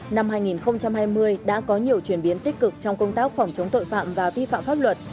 năm hai nghìn hai mươi đã có nhiều chuyển biến tích cực trong công tác phòng chống tội phạm và vi phạm pháp luật